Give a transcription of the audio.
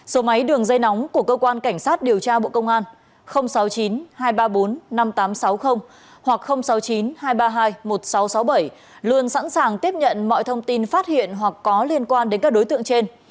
số máy đường dây nóng của cơ quan cảnh sát điều tra bộ công an sáu mươi chín hai trăm ba mươi bốn năm nghìn tám trăm sáu mươi hoặc sáu mươi chín hai trăm ba mươi hai một nghìn sáu trăm sáu mươi bảy luôn sẵn sàng tiếp nhận mọi thông tin phát hiện hoặc có liên quan đến các đối tượng trên